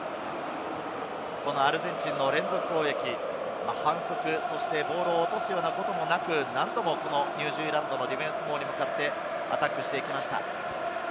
アルゼンチンの連続攻撃、反則、そしてボールを落とすようなこともなく、何度もニュージーランドのディフェンス網にかかって、アタックしていきました。